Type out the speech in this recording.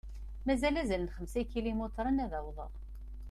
Mazal azal n xemsa n ikilumitren ad awḍeɣ.